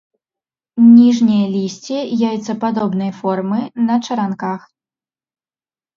Ніжняе лісце яйцападобнай формы, на чаранках.